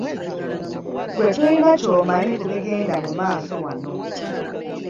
Gwe toyina ky'omanyi ku bigenda mu maaso wano.